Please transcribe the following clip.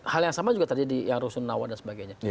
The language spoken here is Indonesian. hal yang sama juga terjadi di rusun nawa dan sebagainya